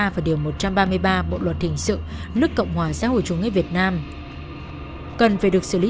chín mươi ba và điều một trăm ba mươi ba bộ luật hình sự nước cộng hòa xã hội chủ nghĩa việt nam cần phải được xử lý